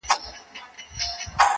بیا پر خیالي کوثر جامونه ښيي -